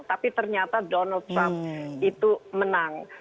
tapi ternyata donald trump itu menang